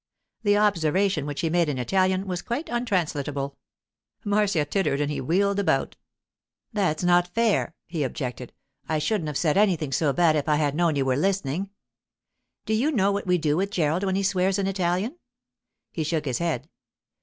The observation which he made in Italian was quite untranslatable. Marcia tittered and he wheeled about. 'That's not fair,' he objected. 'I shouldn't have said anything so bad if I had known you were listening.' 'Do you know what we do with Gerald when he swears in Italian?' He shook his head.